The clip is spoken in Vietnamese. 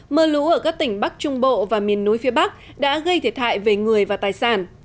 mưa lũ ở các tỉnh bắc trung bộ và miền núi phía bắc đã gây thiệt hại về người và tài sản